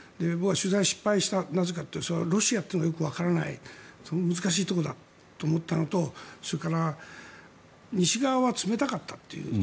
僕は取材に失敗したなぜかというとロシアというのはよくわからない難しいところだと思ったのとそれから西側は冷たかったという。